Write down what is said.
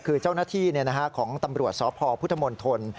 คือเจ้าหน้าที่ของตำรวจสพพุทธมนตร